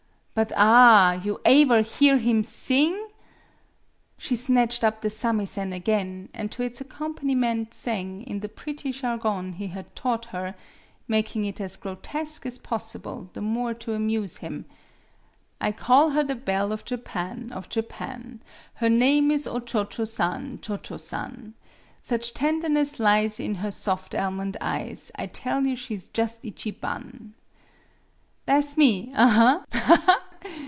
" But ah! You aever hear him sing ?" She snatched up the samisen again, and to its accompaniment sang, in the pretty jargon he had taught her (making if as grotesque as possible, the more to amuse him): " I call her the belle of Japan of Japan; Her name it is O Cho Cho San Cho Cho San; Such tenderness lies in her soft almond eyes, I tell you she 's just ichi ban." "Tha' 's me aha, ha, ha!